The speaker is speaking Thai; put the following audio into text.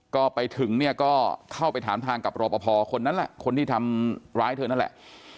ก็ไปถึงเนี่ยก็เข้าไปถามทางกับรอปภคนนั้นแหละคนที่ทำร้ายเธอนั่นแหละ